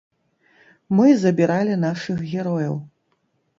Мы забіралі нашых герояў.